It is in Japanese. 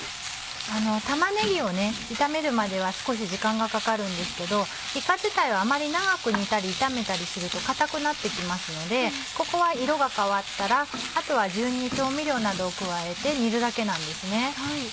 玉ねぎを炒めるまでは少し時間がかかるんですけどいか自体はあまり長く煮たり炒めたりすると硬くなって来ますのでここは色が変わったらあとは順に調味料などを加えて煮るだけなんですね。